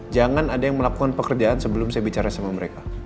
jangan ada yang melakukan pekerjaan sebelum saya bicara sama mereka